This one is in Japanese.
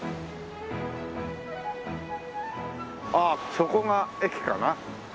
ああそこが駅かな。